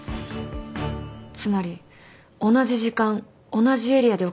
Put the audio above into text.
つまり同じ時間同じエリアで起きた２つの事件。